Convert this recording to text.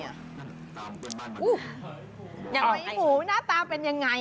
หอยหมูหน้าตาเป็นยังไง